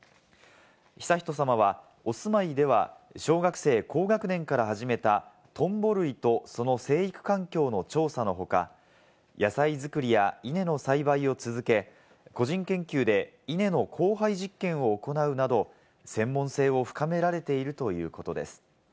悠仁さまは、お住まいでは小学生高学年から始めたトンボ類とその生育環境の調査の他、野菜作りや稲の栽培を続け、個人研究で稲の交配実験を行うなど、専門性を深められているということです。